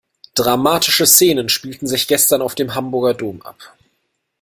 Dramatische Szenen spielten sich gestern auf dem Hamburger Dom ab.